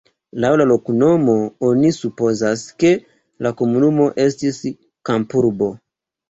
Laŭ la loknomo oni supozas, ke la komunumo estis kampurbo.